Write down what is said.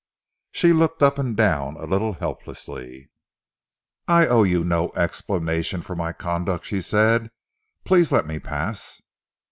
She looked up and down a little helplessly. "I owe you no explanation for my conduct," she said. "Please let me pass."